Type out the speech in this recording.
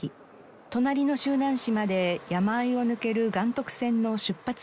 隣の周南市まで山あいを抜ける岩徳線の出発駅です。